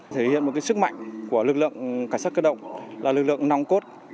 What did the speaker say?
thể hiện một sức mạnh của lực lượng cảnh sát cơ động là lực lượng nòng cốt